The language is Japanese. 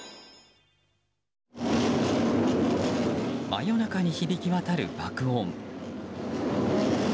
真夜中に響き渡る爆音。